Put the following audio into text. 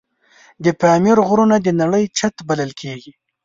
د پامیر غرونه د نړۍ چت بلل کېږي.